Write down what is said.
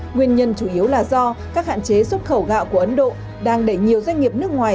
nguyên nhân chủ yếu là do các hạn chế xuất khẩu gạo của ấn độ đang để nhiều doanh nghiệp nước ngoài